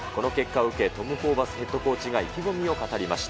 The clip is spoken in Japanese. この結果を受け、トム・ホーバスヘッドコーチが意気込みを語りました。